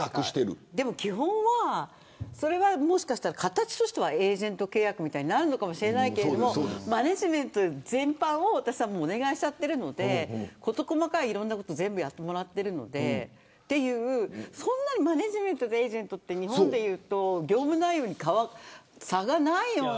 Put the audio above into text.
それは形としたらエージェント契約みたいになるかもしれないけどマネジメント全般をお願いしちゃってるんで細かくいろんなことをやってもらってるんでというそんなにマネジメントとエージェントは日本でいうと業務内容に差がないような。